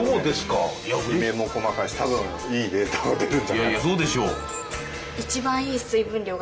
いやいやどうでしょう。え！